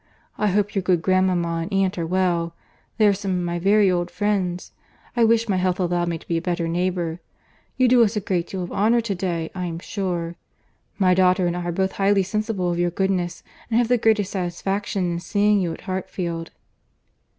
—I hope your good grand mama and aunt are well. They are some of my very old friends. I wish my health allowed me to be a better neighbour. You do us a great deal of honour to day, I am sure. My daughter and I are both highly sensible of your goodness, and have the greatest satisfaction in seeing you at Hartfield."